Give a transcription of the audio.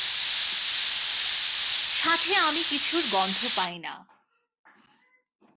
সাথে আমি কিছুর গন্ধ পাইনা।